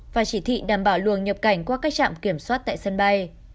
và chỉ thị đảm bảo luồng nhập cảnh qua các trạm kiểm soát tại sân bay